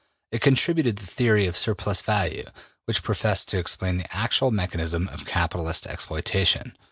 It contributed the theory of surplus value, which professed to explain the actual mechanism of capitalist exploitation.